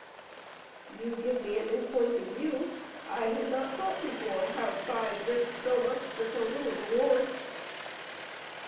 "You give me a new point of view. I had not thought before how spies risked so much for so little reward."